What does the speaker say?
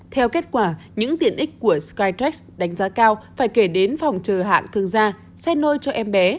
theo kết quả những tiện ích của skytress đánh giá cao phải kể đến phòng chờ hạng thương gia xe nôi cho em bé